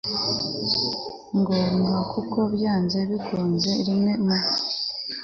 ngombwa kuko byanze bikunze rimwe mu